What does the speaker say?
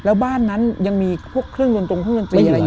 แล้วบ้านนั้นยังมีพวกเครื่องดนตรงเครื่องดนตรีอะไรอยู่